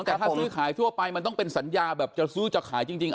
แต่ถ้าซื้อขายทั่วไปมันต้องเป็นสัญญาแบบจะซื้อจะขายจริง